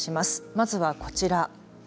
まずはこちら。